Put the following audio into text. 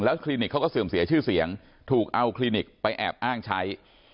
คลินิกเขาก็เสื่อมเสียชื่อเสียงถูกเอาคลินิกไปแอบอ้างใช้